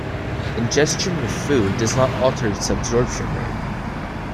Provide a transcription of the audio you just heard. Ingestion with food does not alter its absorption rate.